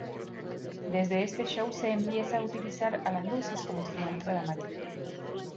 Desde este show se empieza a utilizar a las luces como instrumento dramático.